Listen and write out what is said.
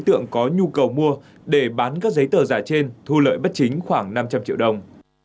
tượng có nhu cầu mua để bán các giấy tờ giả trên thu lợi bất chính khoảng năm trăm linh triệu đồng